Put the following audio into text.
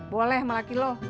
boleh sama laki lo